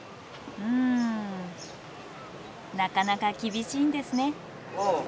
なかなか厳しいんですね。